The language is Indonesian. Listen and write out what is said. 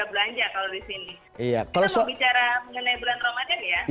kita mau bicara mengenai bulan ramadan ya